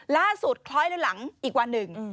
ล่าสุดคล้อยหลังอีกวันหนึ่ง